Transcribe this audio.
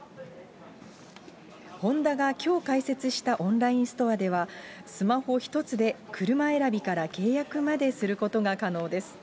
ホンダがきょう開設したオンラインストアでは、スマホ１つで車選びから契約まですることが可能です。